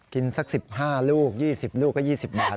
สัก๑๕ลูก๒๐ลูกก็๒๐บาท